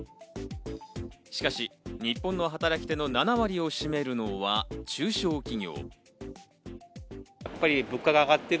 しかし日本の働き手の７割を占めるのは中小企業。